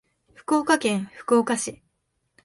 福岡県福岡市